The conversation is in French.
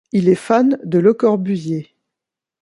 Il est fan de Le Corbusier.